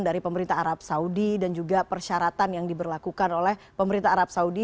dari pemerintah arab saudi dan juga persyaratan yang diberlakukan oleh pemerintah arab saudi